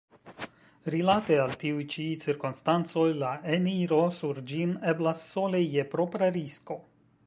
Rilate al tiuj ĉi cirkonstancoj la eniro sur ĝin eblas sole je propra risko.